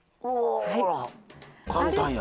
ほ簡単や。